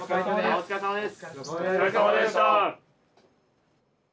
お疲れさまでした。